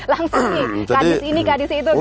langsung ini kadis ini kadis itu gitu ya